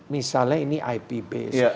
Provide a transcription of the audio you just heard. misalnya ini ip base